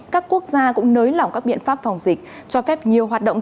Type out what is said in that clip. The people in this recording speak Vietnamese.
các quốc gia cũng nới lỏng các biện pháp phòng dịch cho phép nhiều hoạt động